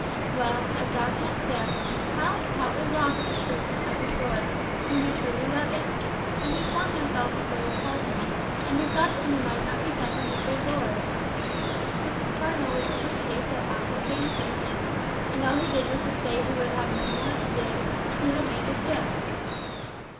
Well, as thou canst guess, Hal is hotly wroth at the treatment of his lord, whom he truly loveth; and he flung himself before the Cardinal, and besought that he might not be sent from his good lord. But the Cardinal was only chafed at aught that gainsaid him; and all he did was to say he would have no more ado, he had made his gift.